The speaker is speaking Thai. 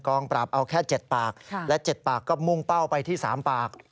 ปราบเอาแค่๗ปากและ๗ปากก็มุ่งเป้าไปที่๓ปาก